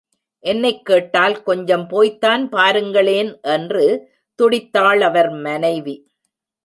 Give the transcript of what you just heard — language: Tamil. என்னைக் கேட்டால் கொஞ்சம் போய்த்தான் பாருங்களேன் என்று துடித்தாள் அவர் மனைவி.